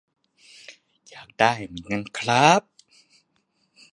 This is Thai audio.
อยากได้เหมือนกันครับ